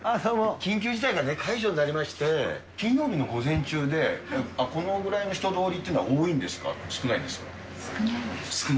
緊急事態がね、解除になりまして、金曜日の午前中で、このぐらいの人通りっていうのは多いんですか？